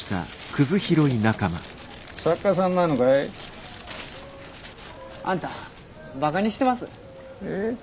作家さんなのかい？あんたバカにしてます？え？